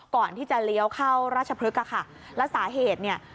ก่อนที่จะเลี้ยวเข้าราชพฤกษ์อะค่ะแล้วสาเหตุเนี่ย